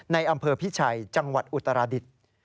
ในอำเภอพิชัยจังหวัดอุตราดิษฐ์